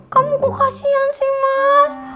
kamu kok kasihan sih mas